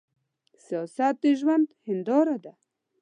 سياست د ژوند هينداره ده.